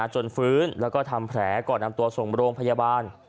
จนฟื้นแล้วก็ทำแผลก่อนนำตัวส่งโรงพยาบาล